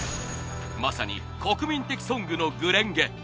まさに国民的ソングの『紅蓮華』。